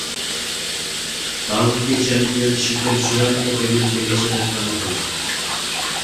County চ্যাম্পিয়নশীপের চূড়ান্ত টেবিলটি নিচে দেখানো হলো।